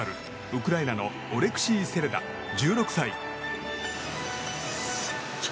ウクライナのオレクシー・セレダ、１６歳。